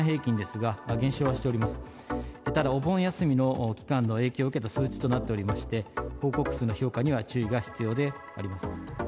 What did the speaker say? ただ、お盆休みの期間の影響を受けた数値となっておりまして、報告数の評価には注意が必要であります。